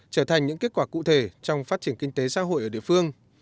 trở thành những kết quả cụ thể trong phát triển kinh tế xã hội ở địa phương